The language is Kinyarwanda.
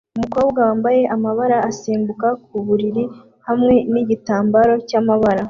Umukobwa wambaye amabara asimbuka ku buriri hamwe nigitambara cyamabara